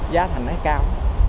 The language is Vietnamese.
giá thành nó cao